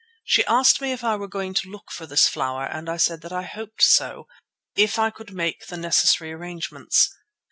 She asked me if I were going to look for this flower, and I said that I hoped so if I could make the necessary arrangements.